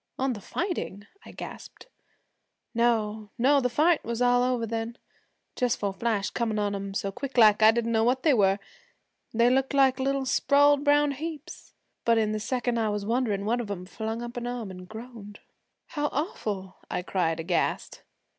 'On the fighting!' I gasped. 'No no; the fightin' was all over then. Just for a flash, comin' on 'em so quick like, I didn't know what they were. They looked like little sprawled brown heaps. But in the second I was wonderin', one of 'em flung up an arm and groaned.' 'How awful!' I cried aghast.